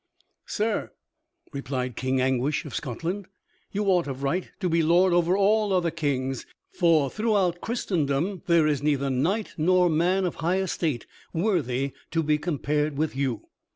"Sir," replied King Anguish of Scotland, "you ought of right to be lord over all other kings, for throughout Christendom there is neither knight nor man of high estate worthy to be compared with you.